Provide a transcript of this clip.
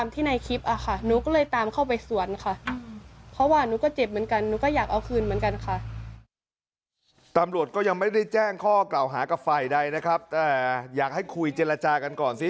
ตำรวจก็ยังไม่ได้แจ้งข้อกล่าวหากับฝ่ายใดนะครับแต่อยากให้คุยเจรจากันก่อนสิ